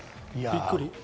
びっくり。